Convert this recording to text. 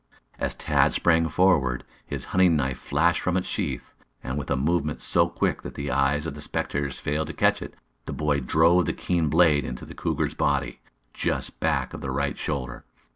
As Tad sprang forward, his hunting knife flashed from its sheath, and with a movement so quick that the eyes of the spectators failed to catch it, the boy drove the keen blade into the cougar's body, just back of the right shoulder.